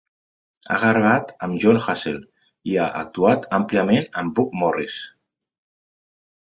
Ha gravat amb Jon Hassell i ha actuat àmpliament amb Butch Morris.